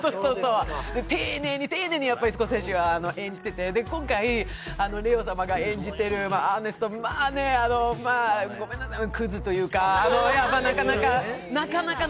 丁寧に丁寧にスコセッシが演じていて、今回、レオ様が演じているアーネストはまあね、ごめんなさい、クズというか、なかなかの。